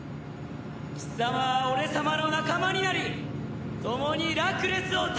貴様は俺様の仲間になり共にラクレスを倒せばいいのだ！